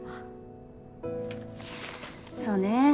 そうね。